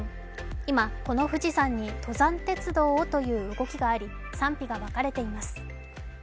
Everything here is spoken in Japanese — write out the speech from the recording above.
今、この富士山に登山鉄道をという動きがあり賛否が分かれています。